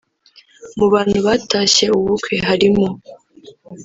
Mu bantu batashye ubu bukwe harimo